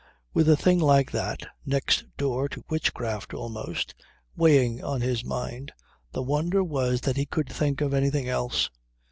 With a thing like that (next door to witchcraft almost) weighing on his mind, the wonder was that he could think of anything else.